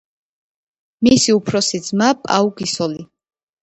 მისი უფროსი ძმა პაუ გასოლი.